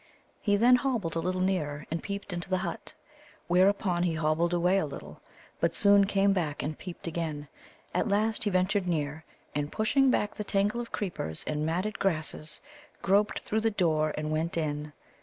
He then hobbled a little nearer, and peeped into the hut. Whereupon he hobbled away a little, but soon came back and peeped again. At last he ventured near, and, pushing back the tangle of creepers and matted grasses, groped through the door and went in.